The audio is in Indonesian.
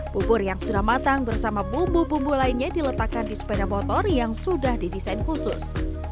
bubur yang sudah matang bersama bumbu bumbu lainnya diletakkan di sepeda motor yang sudah didesain khusus